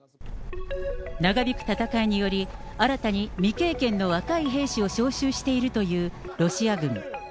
長引く戦いにより、新たに未経験の若い兵士を招集しているというロシア軍。